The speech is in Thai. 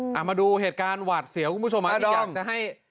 เอามาดูเหตุการณ์วัดเสียวที่อยากจะให้